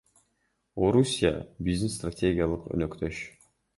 Орусия — биздин стратегиялык өнөктөш.